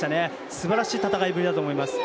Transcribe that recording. すばらしい戦いぶりだと思います。